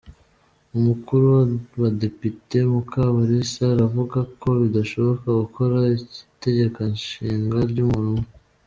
Umukuru w’abadepite Mukabarisa aravuga ko bidashoboka gukora itegekonshinga ry’umuntu umwe.